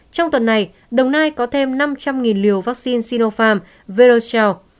trong tuần này đồng nai có thêm năm trăm linh liều vaccine sinopharm verocell